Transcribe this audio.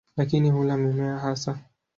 Lakini hula mimea hasa.